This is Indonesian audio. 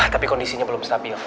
tapi kondisinya belum stabil